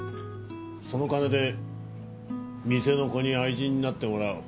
その金で店の子に愛人になってもらう。